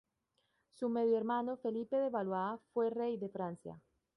Su medio hermano Felipe de Valois fue rey de Francia.